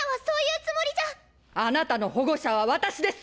あなたの保護者は私です！